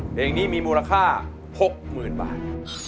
เพลงนี้มีมูลค่า๖๐๐๐บาท